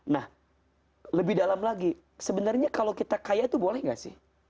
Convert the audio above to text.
nah lebih dalam lagi sebenarnya kalau kita kaya itu boleh gak sih